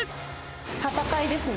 戦いですね。